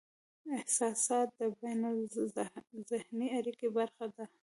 احساسات د بینالذهني اړیکې برخه دي.